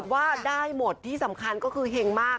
ว่าได้หมดที่สำคัญก็คือเห็งมาก